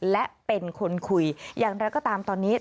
และเป็นคนคุยอย่างไรก็ตามตอนนี้